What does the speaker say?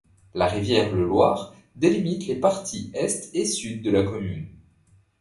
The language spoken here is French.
La rivière le Loir délimite les parties est et sud de la commune.